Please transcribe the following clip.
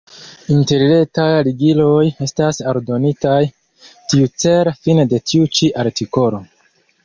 Interretaj ligiloj estas aldonitaj tiucele fine de tiu ĉi artikolo.